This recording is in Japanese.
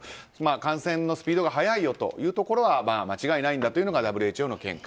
感染のスピードが速いというところは間違いないんだというのがＷＨＯの見解。